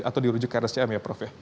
atau dirujuk ke rscm ya prof ya